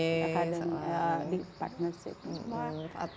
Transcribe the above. akademis di partners itu semua